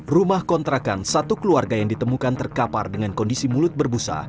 rumah kontrakan satu keluarga yang ditemukan terkapar dengan kondisi mulut berbusa